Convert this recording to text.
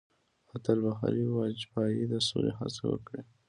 اتل بهاري واجپايي د سولې هڅې وکړې.